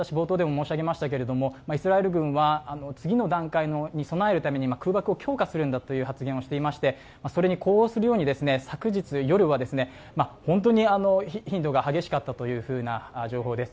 イスラエル軍は次の段階に備えるために空爆を強化するんだと発言していましてそれに呼応するように昨日夜は、本当に頻度が激しかったという情報です。